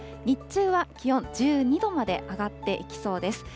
日中は気温１２度まで上がっていきそうです。